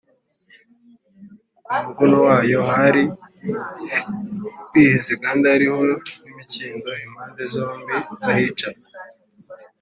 ku muguno wayo hari hihese kandi hariho n’imikindo impande zombi z’ahicarwa